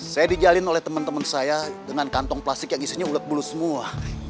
saya dijalin oleh teman teman saya dengan kantong plastik yang isinya ulat bulu semua